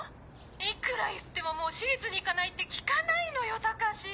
いくら言ってももう私立に行かないって聞かないのよ高志。